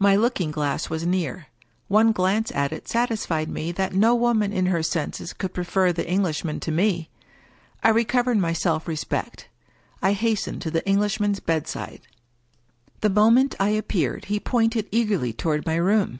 My looking glass was near. One glance at it satisfied 267 English Mystery Stories me that no woman in her senses could prefer the English man to Me. I recovered my self respect. I hastened to the Englishman's bedside. The moment I appeared he pointed eagerly toward my room.